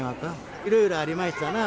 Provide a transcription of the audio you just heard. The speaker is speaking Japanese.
いろいろありましたなあ。